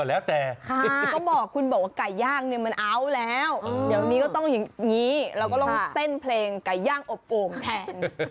เราก็ลองเต้นเพลงไก่ย่างอบโองแทน